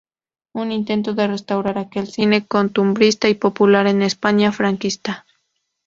Un intento de restaurar aquel cine costumbrista y popular en la España franquista.